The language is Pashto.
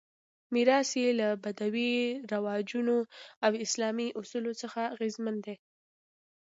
میراث یې له بدوي رواجونو او اسلامي اصولو څخه اغېزمن دی.